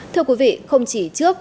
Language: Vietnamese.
thưa quý vị không chỉ trước